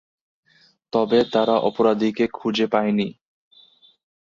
তবে তারা অপরাধীকে খুঁজে পায়নি।